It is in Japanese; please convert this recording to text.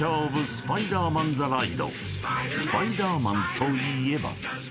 ［スパイダーマンといえば］